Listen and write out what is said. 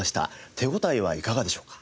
手応えはいかがでしょうか？